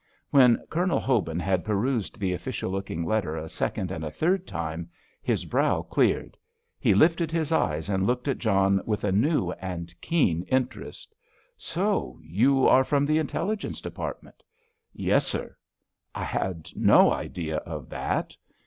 When Colonel Hobin had perused the official looking letter a second and a third time, his brow cleared; he lifted his eyes and looked at John with a new and keen interest. "So you are from the Intelligence Department?" "Yes, sir." "I had no idea of that."